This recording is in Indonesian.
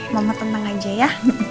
mama tenang aja ya